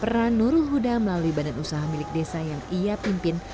peran nurul huda melalui badan usaha milik desa yang ia pimpin